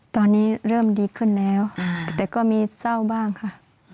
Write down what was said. ตอนนี้เริ่มดีขึ้นแล้วแต่ก็มีเศร้าบ้างค่ะ